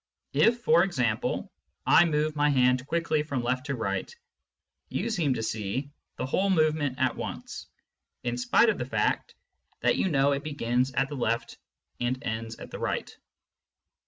If, for example, I move my hand quickly from left to right, you seem to see the whole movement at once, in spite of the fact that you know it begins at the left and ends at the right.